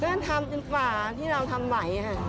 เพราะว่าทำจริงค่ะที่เราทำไว้